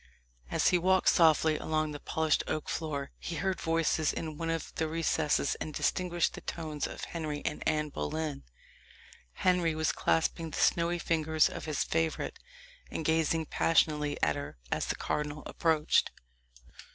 As he walked softly along the polished oak floor, he heard voices in one of the recesses, and distinguished the tones of Henry and Anne Boleyn. Henry was clasping the snowy fingers of his favourite, and gazing passionately at her, as the cardinal approached.